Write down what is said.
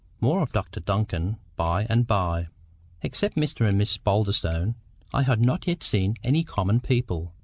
More of Dr Duncan by and by. Except Mr and Miss Boulderstone, I had not yet seen any common people.